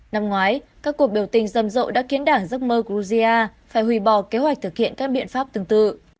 năm ngoái các cuộc biểu tình rầm rộ đã khiến đảng giấc mơ georgia phải hủy bỏ kế hoạch thực hiện các biện pháp tương tự